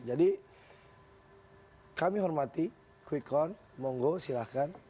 jadi kami hormati kwekon monggo silahkan